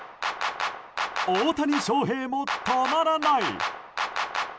大谷翔平も止まらない。